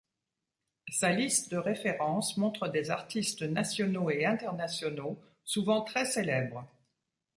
Sa liste de références montrent des artistes nationaux et internationaux souvent très célèbres.